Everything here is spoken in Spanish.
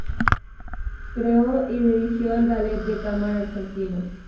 Creó y dirigió el "Ballet de Cámara Argentino".